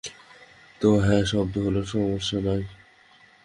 তো, হ্যাঁ, শব্দ হলে সমস্যা নেই।